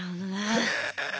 へえ！